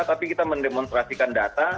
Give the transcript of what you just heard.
tapi kita mendemonstrasikan data